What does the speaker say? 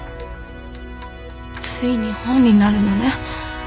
ついに本になるのね。